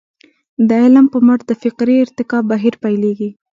د علم په مټ د فکري ارتقاء بهير پيلېږي.